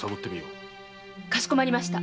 かしこまりました。